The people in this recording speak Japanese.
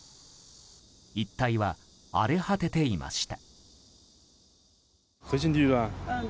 一帯は荒れ果てていました。